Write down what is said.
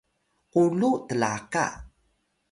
kulu tlaka